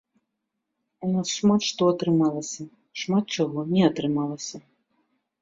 У нас шмат што атрымалася, шмат чаго не атрымалася.